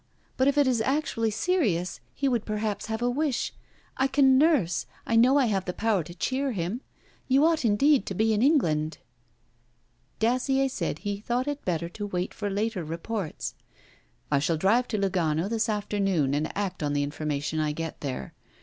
But if it is actually serious he would perhaps have a wish... I can nurse. I know I have the power to cheer him. You ought indeed to be in England.' Dacier said he had thought it better to wait for later reports. 'I shall drive to Lugano this afternoon, and act on the information I get there.